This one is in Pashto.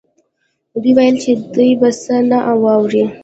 دوی ویل چې دی به څه نه واوري